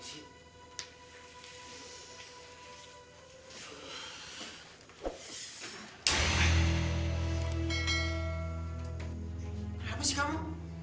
kenapa sih kamu